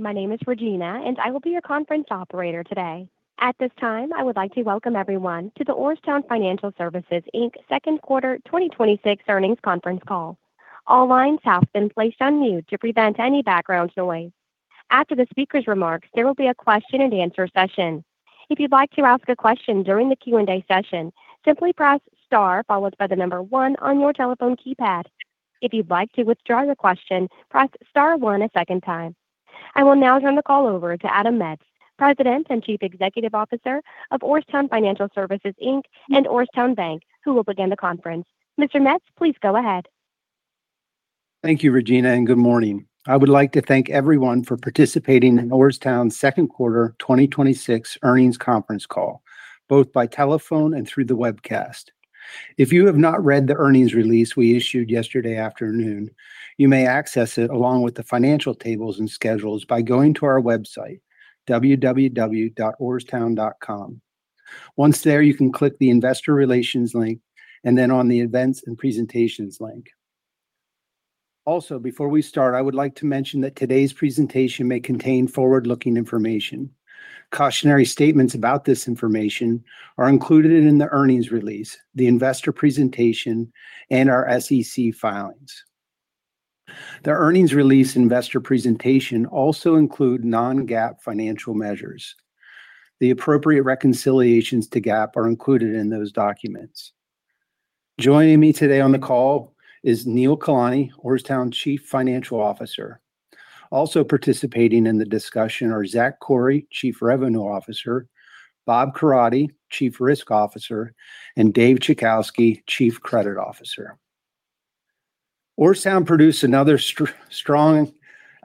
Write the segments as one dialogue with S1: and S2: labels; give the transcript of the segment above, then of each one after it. S1: My name is Regina, and I will be your conference operator today. At this time, I would like to welcome everyone to the Orrstown Financial Services Inc. second quarter 2026 earnings conference call. All lines have been placed on mute to prevent any background noise. After the speaker's remarks, there will be a question-and-answer session. If you'd like to ask a question during the Q&A session, simply press star, followed by the number one on your telephone keypad. If you'd like to withdraw your question, press star one a second time. I will now turn the call over to Adam Metz, President and Chief Executive Officer of Orrstown Financial Services Inc. and Orrstown Bank, who will begin the conference. Mr. Metz, please go ahead.
S2: Thank you, Regina, and good morning. I would like to thank everyone for participating in Orrstown's second-quarter 2026 earnings conference call, both by telephone and through the webcast. If you have not read the earnings release we issued yesterday afternoon, you may access it along with the financial tables and schedules by going to our website, www.orrstown.com. Once there, you can click the investor relations link, and then on the events and presentations link. Also, before we start, I would like to mention that today's presentation may contain forward-looking information. Cautionary statements about this information are included in the earnings release, the investor presentation, and our SEC filings. The earnings release and investor presentation also include non-GAAP financial measures. The appropriate reconciliations to GAAP are included in those documents. Joining me today on the call is Neil Kalani, Orrstown Chief Financial Officer. Also participating in the discussion are Zach Khuri, Chief Revenue Officer, Bob Coradi, Chief Risk Officer, and Dave Chajkowski, Chief Credit Officer. Orrstown produced another strong,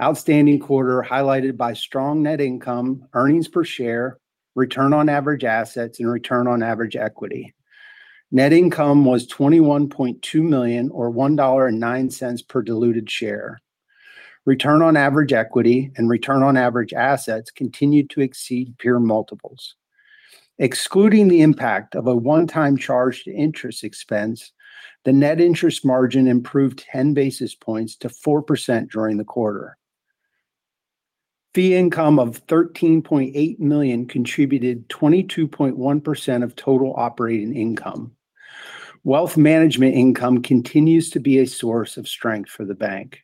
S2: outstanding quarter highlighted by strong net income, earnings per share, return on average assets, and return on average equity. Net income was $21.2 million, or $1.09 per diluted share. Return on average equity and return on average assets continued to exceed peer multiples. Excluding the impact of a one-time charge to interest expense, the net interest margin improved 10 basis points to 4% during the quarter. Fee income of $13.8 million contributed 22.1% of total operating income. Wealth management income continues to be a source of strength for the bank.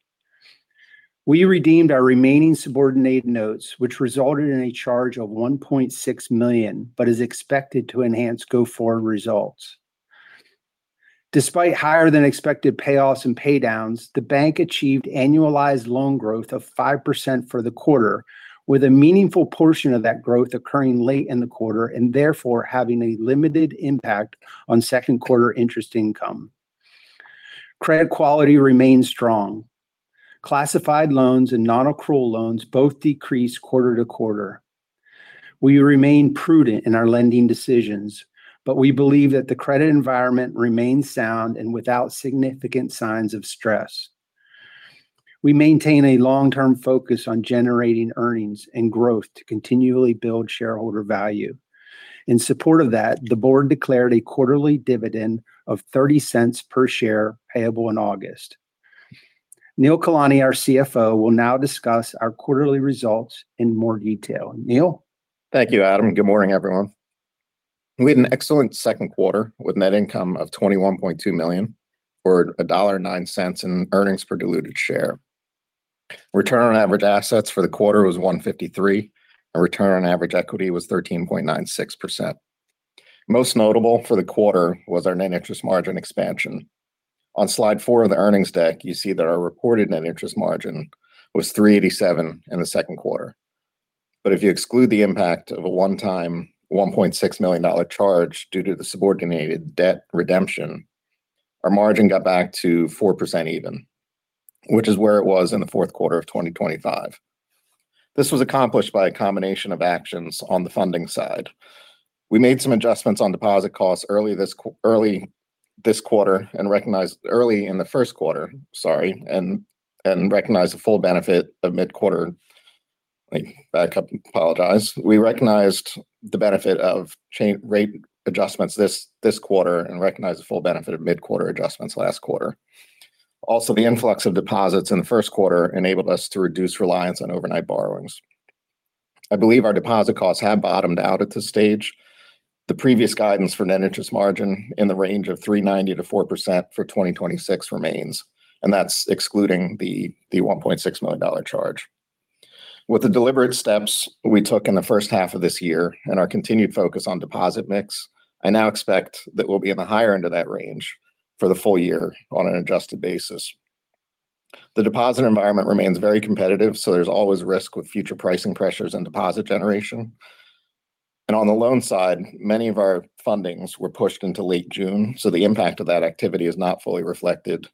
S2: We redeemed our remaining subordinate notes, which resulted in a charge of $1.6 million, but is expected to enhance go-forward results. Despite higher-than-expected payoffs and paydowns, the bank achieved annualized loan growth of 5% for the quarter, with a meaningful portion of that growth occurring late in the quarter and therefore having a limited impact on second quarter interest income. Credit quality remained strong. Classified loans and non-accrual loans both decreased quarter-to-quarter. We remain prudent in our lending decisions, but we believe that the credit environment remains sound and without significant signs of stress. We maintain a long-term focus on generating earnings and growth to continually build shareholder value. In support of that, the board declared a quarterly dividend of $0.30 per share payable in August. Neil Kalani, our CFO, will now discuss our quarterly results in more detail. Neil?
S3: Thank you, Adam. Good morning, everyone. We had an excellent second quarter with net income of $21.2 million, or $1.09 in earnings per diluted share. Return on average assets for the quarter was 1.53% million, and return on average equity was 13.96%. Most notable for the quarter was our net interest margin expansion. On slide four of the earnings deck, you see that our reported net interest margin was 3.87% in the second quarter. If you exclude the impact of a one-time $1.6 million charge due to the subordinated debt redemption, our margin got back to 4%, even, which is where it was in the fourth quarter of 2025. This was accomplished by a combination of actions on the funding side. We made some adjustments on deposit costs early in the first quarter and recognized the full benefit of mid-quarter. We recognized the benefit of rate adjustments this quarter and recognized the full benefit of mid-quarter adjustments last quarter. Also, the influx of deposits in the first quarter enabled us to reduce reliance on overnight borrowings. I believe our deposit costs have bottomed out at this stage. The previous guidance for net interest margin in the range of 3.90%-4% for 2026 remains, and that's excluding the $1.6 million charge. With the deliberate steps we took in the first half of this year and our continued focus on deposit mix, I now expect that we'll be in the higher end of that range for the full year on an adjusted basis. The deposit environment remains very competitive; there's always risk with future pricing pressures and deposit generation. On the loan side, many of our fundings were pushed into late June; the impact of that activity is not fully reflected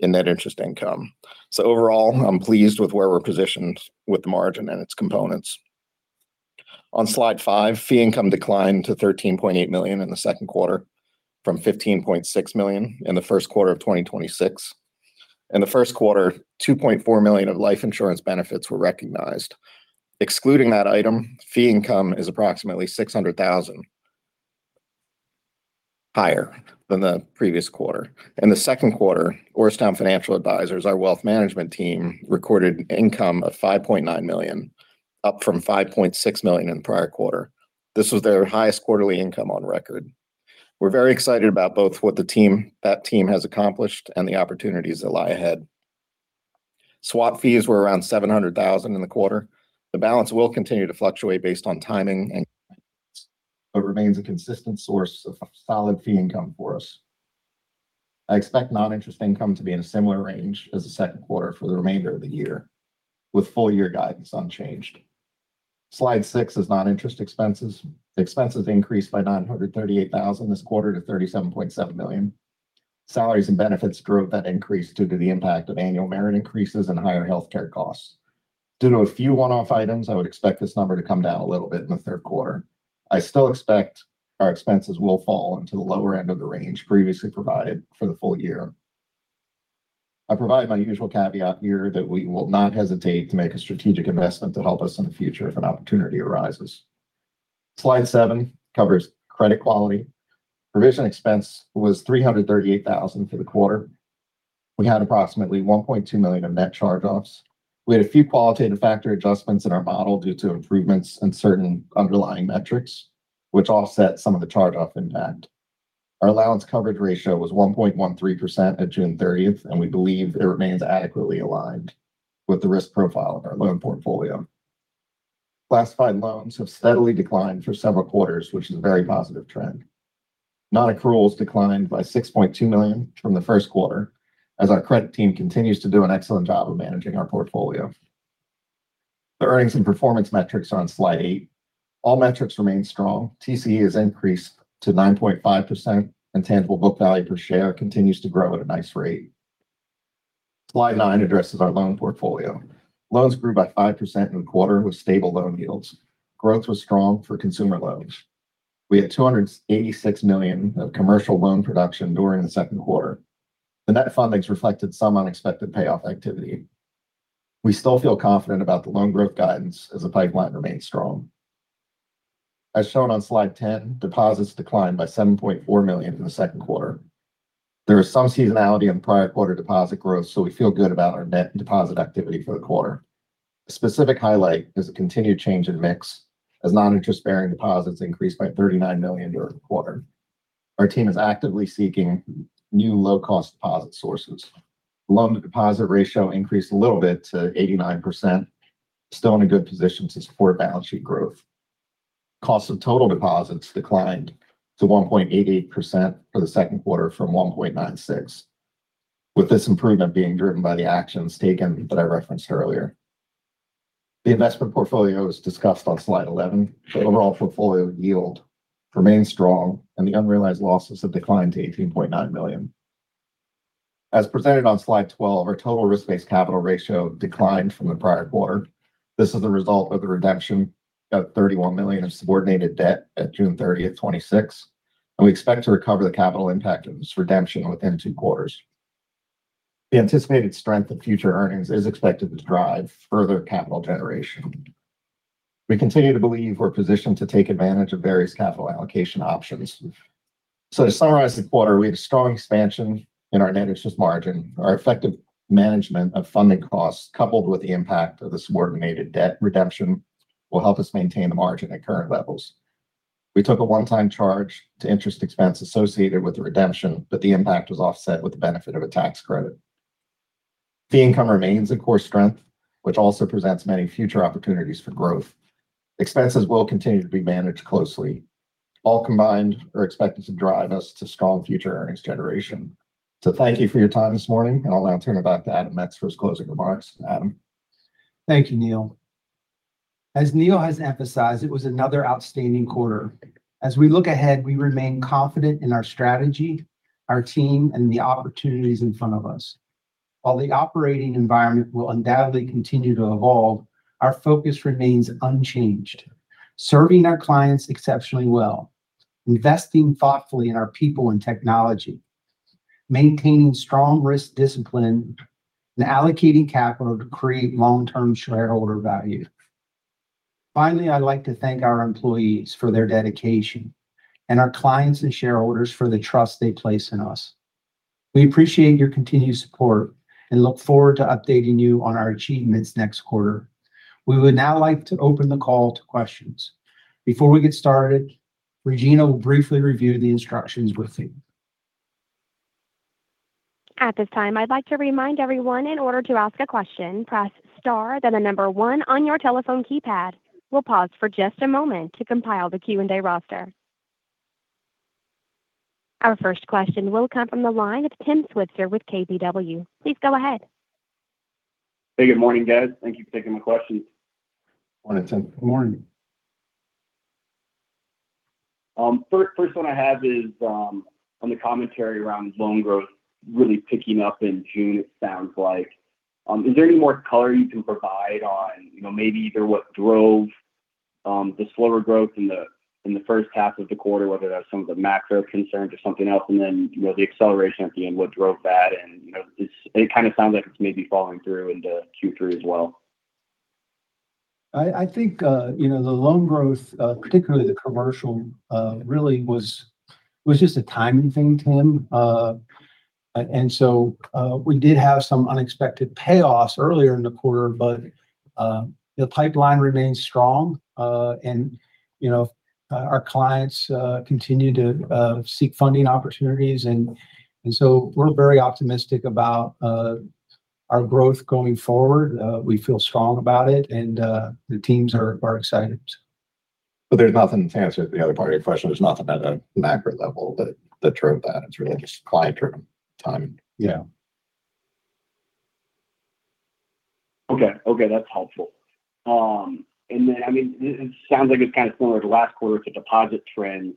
S3: in net interest income. Overall, I'm pleased with where we're positioned with the margin and its components. On slide five, fee income declined to $13.8 million in the second quarter from $15.6 million in the first quarter of 2026. In the first quarter, $2.4 million of life insurance benefits were recognized. Excluding that item, fee income is approximately $600,000 higher than the previous quarter. In the second quarter, Orrstown Financial Advisors, our wealth management team, recorded income of $5.9 million, up from $5.6 million in the prior quarter. This was their highest quarterly income on record. We're very excited about both what that team has accomplished and the opportunities that lie ahead. Swap fees were around $700,000 in the quarter. The balance will continue to fluctuate based on timing and, but it remains a consistent source of solid fee income for us. I expect non-interest income to be in a similar range as the second quarter for the remainder of the year, with full year guidance unchanged. Slide six is non-interest expenses. Expenses increased by $938,000 this quarter to $37.7 million. Salaries and benefits drove that increase due to the impact of annual merit increases and higher healthcare costs. Due to a few one-off items, I would expect this number to come down a little bit in the third quarter. I still expect our expenses will fall into the lower end of the range previously provided for the full year. I provide my usual caveat here that we will not hesitate to make a strategic investment to help us in the future if an opportunity arises. Slide seven covers credit quality. Provision expense was $338,000 for the quarter. We had approximately $1.2 million of net charge-offs. We had a few qualitative factor adjustments in our model due to improvements in certain underlying metrics, which offset some of the charge-off impact. Our allowance coverage ratio was 1.13% at June 30th, and we believe it remains adequately aligned with the risk profile of our loan portfolio. Classified loans have steadily declined for several quarters, which is a very positive trend. Non-accruals declined by $6.2 million from the first quarter, as our credit team continues to do an excellent job of managing our portfolio. The earnings and performance metrics are on slide eight. All metrics remain strong. TCE has increased to 9.5%, and tangible book value per share continues to grow at a nice rate. Slide nine addresses our loan portfolio. Loans grew by 5% in the quarter with stable loan yields. Growth was strong for consumer loans. We had $286 million of commercial loan production during the second quarter. The net fundings reflected some unexpected payoff activity. We still feel confident about the loan growth guidance as the pipeline remains strong. As shown on slide 10, deposits declined by $7.4 million in the second quarter. There is some seasonality in prior quarter deposit growth, so we feel good about our net deposit activity for the quarter. A specific highlight is the continued change in mix, as non-interest-bearing deposits increased by $39 million during the quarter. Our team is actively seeking new low-cost deposit sources. Loan-to-deposit ratio increased a little bit to 89%, still in a good position to support balance sheet growth. Cost of total deposits declined to 1.88% for the second quarter from 1.96%, with this improvement being driven by the actions taken that I referenced earlier. The investment portfolio is discussed on slide 11. The overall portfolio yield remains strong, and the unrealized losses have declined to $18.9 million. As presented on slide 12, our total risk-based capital ratio declined from the prior quarter. This is a result of the redemption of $31 million of subordinated debt at June 30th, 2026, and we expect to recover the capital impact of this redemption within two quarters. The anticipated strength of future earnings is expected to drive further capital generation. We continue to believe we're positioned to take advantage of various capital allocation options. To summarize the quarter, we have strong expansion in our net interest margin. Our effective management of funding costs, coupled with the impact of the subordinated debt redemption, will help us maintain the margin at current levels. We took a one-time charge to interest expense associated with the redemption, but the impact was offset with the benefit of a tax credit. Fee income remains a core strength, which also presents many future opportunities for growth. Expenses will continue to be managed closely. All combined are expected to drive us to strong future earnings generation. Thank you for your time this morning, and I'll now turn it back to Adam Metz for his closing remarks. Adam?
S2: Thank you, Neil. As Neil has emphasized, it was another outstanding quarter. As we look ahead, we remain confident in our strategy, our team, and the opportunities in front of us. While the operating environment will undoubtedly continue to evolve, our focus remains unchanged. Serving our clients exceptionally well, investing thoughtfully in our people and technology, maintaining strong risk discipline, and allocating capital to create long-term shareholder value. Finally, I'd like to thank our employees for their dedication, and our clients and shareholders for the trust they place in us. We appreciate your continued support and look forward to updating you on our achievements next quarter. We would now like to open the call to questions. Before we get started, Regina will briefly review the instructions with you.
S1: At this time, I'd like to remind everyone, in order to ask a question, press star, then the number one on your telephone keypad. We'll pause for just a moment to compile the Q&A roster. Our first question will come from the line of Tim Switzer with KBW. Please go ahead.
S4: Hey, good morning, guys. Thank you for taking my questions.
S2: Morning, Tim.
S3: Good morning.
S4: First one I have is on the commentary around loan growth really picking up in June, it sounds like. Is there any more color you can provide on maybe either what drove the slower growth in the first half of the quarter, whether that was some of the macro concerns or something else, and then the acceleration at the end- what drove that? It kind of sounds like it's maybe following through into Q3 as well.
S5: I think the loan growth, particularly the commercial, really was just a timing thing, Tim. We did have some unexpected payoffs earlier in the quarter, the pipeline remains strong. Our clients continue to seek funding opportunities. We're very optimistic about our growth going forward. We feel strong about it, and the teams are excited.
S3: There's nothing to answer the other part of your question. There's nothing at a macro level that drove that. It's really just client-driven timing.
S5: Yeah.
S4: Okay. That's helpful. It sounds like it's kind of similar to last quarter with the deposit trends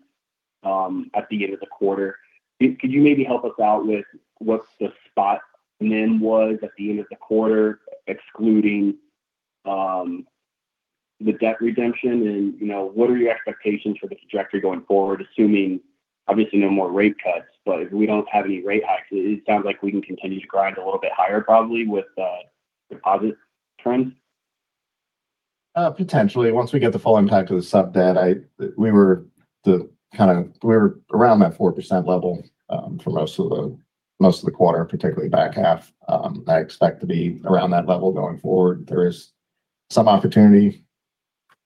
S4: at the end of the quarter. Could you maybe help us out with what the spot then was at the end of the quarter, excluding the debt redemption? What are your expectations for the trajectory going forward, assuming obviously no more rate cuts? If we don't have any rate hikes, it sounds like we can continue to grind a little bit higher, probably with the deposit trends.
S3: Potentially. Once we get the full impact of the sub-debt, we were around that 4% level for most of the quarter, particularly the back half. I expect to be around that level going forward. There is some opportunity,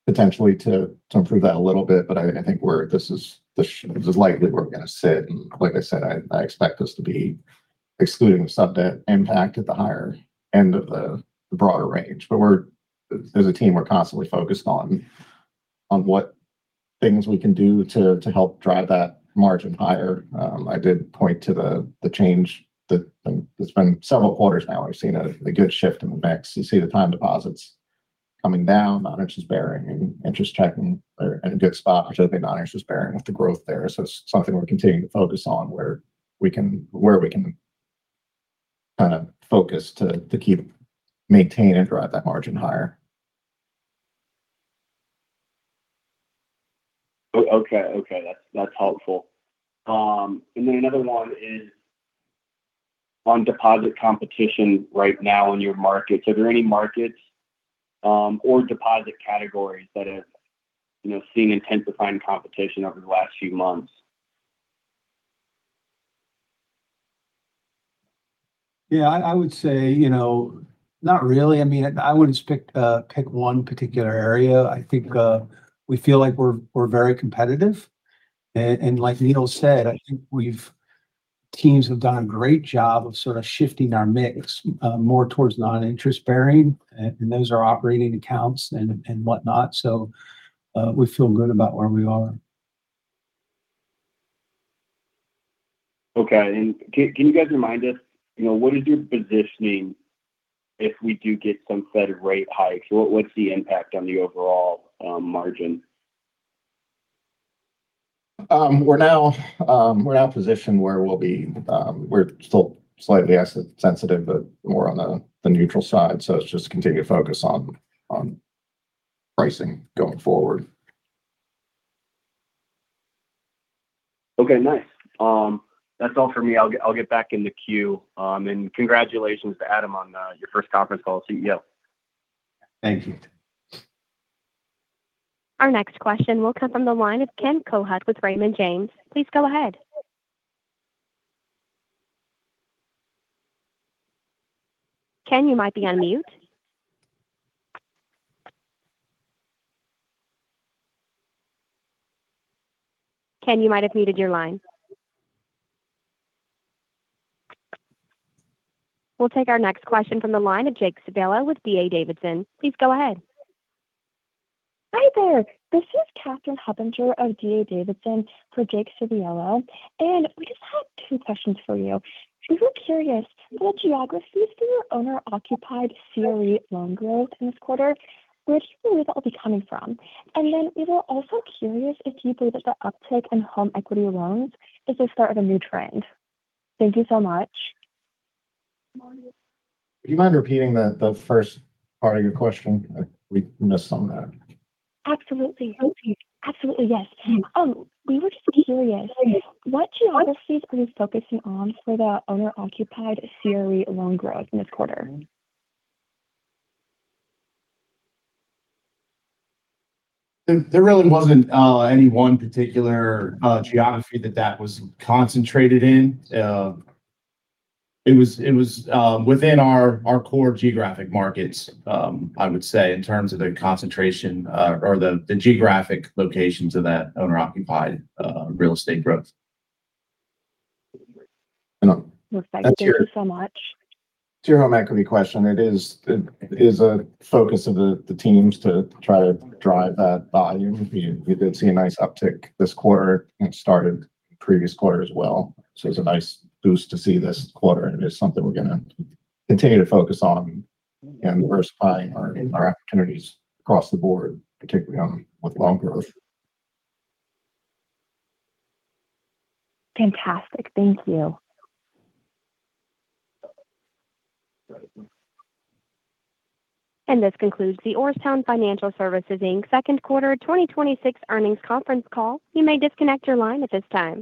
S3: potentially, to improve that a little bit; I think this is likely where we're going to sit. Like I said, I expect us to be excluding the sub-debt impact at the higher end of the broader range. As a team, we're constantly focused on what things we can do to help drive that margin higher. I did point to the change that it's been several quarters now we've seen a good shift in the mix. You see the time deposits coming down; non-interest-bearing and interest checking are in a good spot, particularly non-interest-bearing with the growth there. It's something we're continuing to focus on where we can kind of focus to keep, maintain, and drive that margin higher.
S4: Okay. That's helpful. Then another one is on deposit competition right now in your markets. Are there any markets or deposit categories that have seen intensifying competition over the last few months?
S5: I would say not really. I wouldn't pick one particular area. I think we feel like we're very competitive. Like Neil Kalani said, I think teams have done a great job of sort of shifting our mix more towards non-interest-bearing, and those are operating accounts and whatnot. We feel good about where we are.
S4: Okay. Can you guys remind us, what is your positioning if we do get some Fed rate hikes? What's the impact on the overall margin?
S3: We're now positioned where we're still slightly asset sensitive, but more on the neutral side. It's just continued focus on pricing going forward.
S4: Okay, nice. That's all for me. I'll get back in the queue. Congratulations to Adam on your first conference call as CEO.
S2: Thank you.
S1: Our next question will come from the line of Ken Kohut with Raymond James. Please go ahead. Ken, you might be on mute. Ken, you might have muted your line. We'll take our next question from the line of Jake Civiello with D.A. Davidson. Please go ahead.
S6: Hi there. This is Catherine Hubinger of D.A. Davidson for Jake Civiello. We just have two questions for you. We were curious about geographies for your owner-occupied CRE loan growth in this quarter. Where do you believe that'll be coming from? Then, we were also curious if you believe that the uptick in home equity loans is the start of a new trend. Thank you so much.
S2: Would you mind repeating the first part of your question? We missed some of that.
S6: Absolutely. Absolutely, yes. We were just curious: what geographies are you focusing on for the owner-occupied CRE loan growth in this quarter?
S3: There really wasn't any one particular geography that was concentrated in. It was within our core geographic markets, I would say, in terms of the concentration or the geographic locations of that owner-occupied real estate growth.
S6: Looks like. Thank you so much.
S3: To your home equity question, it is a focus of the teams to try to drive that volume. We did see a nice uptick this quarter, and it started the previous quarter as well. It's a nice boost to see this quarter, and it is something we're going to continue to focus on and diversify our opportunities across the board, particularly with loan growth.
S6: Fantastic. Thank you.
S1: This concludes the Orrstown Financial Services, Inc. second quarter 2026 earnings conference call. You may disconnect your line at this time.